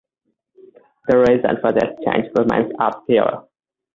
The reason for this change remains obscure.